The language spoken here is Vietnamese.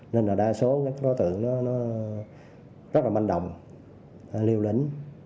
nên là đa số các đối tượng rất là manh đồng liều lĩnh